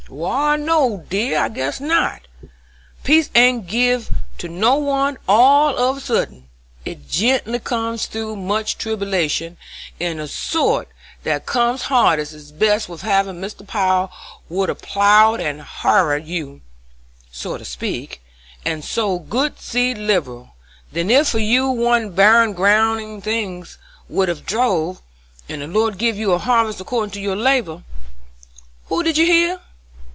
"Wal, no, dear, I guess not. Peace ain't give to no one all of a suddin, it gen'lly comes through much tribulation, and the sort that comes hardest is best wuth havin'. Mr. Power would a' ploughed and harrered you, so to speak, and sowed good seed liberal; then ef you warn't barren ground things would have throve, and the Lord give you a harvest accordin' to your labor. Who did you hear?"